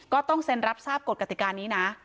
ก็ต้องเซ็นรับทราบกฎกติกานี้นะ